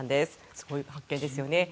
すごい発見ですよね。